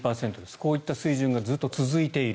こういった水準がずっと続いている。